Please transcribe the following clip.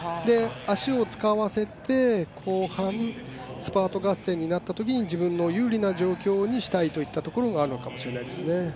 足を使わせて後半、スパート合戦になったときに自分の有利な状況にしたいといったところがあるのかもしれないです。